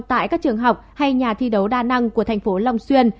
tại các trường học hay nhà thi đấu đa năng của thành phố long xuyên